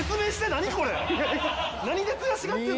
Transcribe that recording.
何で悔しがってるの？